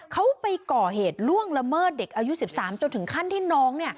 เขาไปก่อเหตุล่วงละเมิดเด็กอายุ๑๓จนถึงขั้นที่น้อง